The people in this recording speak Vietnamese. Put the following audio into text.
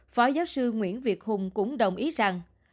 phó giáo sư nguyễn việt hùng cũng đồng ý rằng